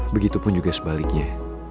begitupun juga sebaliknya